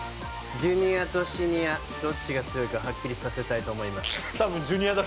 ジュニアとシニアどっちが強いかはっきりさせたいと思います。